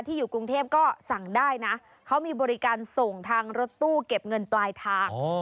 อยู่กรุงเทพก็สั่งได้นะเขามีบริการส่งทางรถตู้เก็บเงินปลายทาง